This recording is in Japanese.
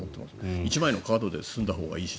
１枚のカードで済んだほうがいいし。